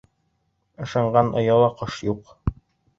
Ышанған ояла ҡош юҡ.